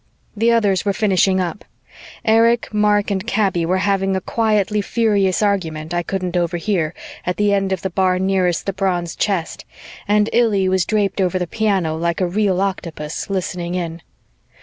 The others were finishing up. Erich, Mark and Kaby were having a quietly furious argument I couldn't overhear at the end of the bar nearest the bronze chest, and Illy was draped over the piano like a real octopus, listening in.